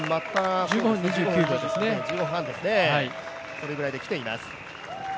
それぐらいで来ています。